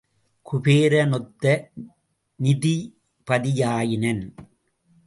குபேர னொத்த நிதிபதியாயினன்.